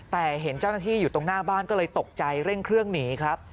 แต่เห็นเจ้าหน้าที่อยู่ตรงหน้าบ้านก็เลยตกใจเร่งเครื่องหนีครับ